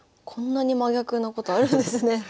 こんなに真逆なことあるんですね。